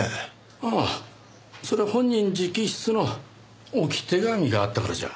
ああそれは本人直筆の置き手紙があったからじゃ。